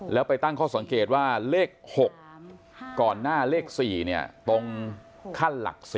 แล้วไปตั้งข้อสังเกตว่าเลข๖ก่อนหน้าเลข๔ตรงขั้นหลัก๔